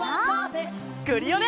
クリオネ！